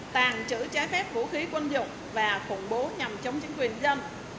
tàng trữ trái phép vũ khí quân dụng và khủng bố nhằm chống chính quyền nhân dân